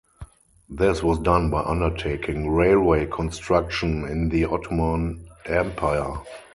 This was done by undertaking railway construction in the Ottoman Empire.